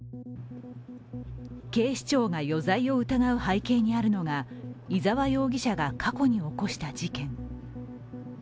警視庁が余罪を疑う背景にあるのが伊沢容疑者が過去に起こした事件。